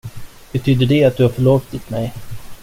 Betyder det att du förlåtit mig?